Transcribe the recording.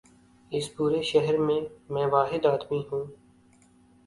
اس پورے شہر میں، میں واحد آدمی ہوں۔